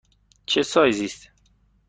چه سایزی است؟